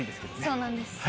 そうなんです。